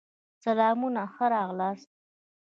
سلامونه ښه راغلاست